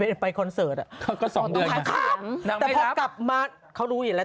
เพราะว่าไปแล้วมัยเหมือนกับพอนับอ่ะเราเล่นอ่ะ